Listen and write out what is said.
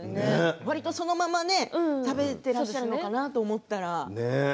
わりとそのまま食べていらっしゃるのかと思ったら。